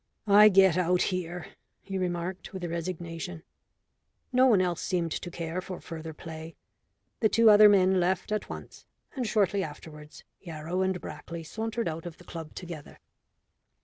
"I get out here," he remarked, with resignation. No one else seemed to care for further play. The two other men left at once, and shortly afterwards Yarrow and Brackley sauntered out of the club together.